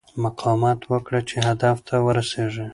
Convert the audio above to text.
مقاومت وکړه چې هدف ته ورسېږې.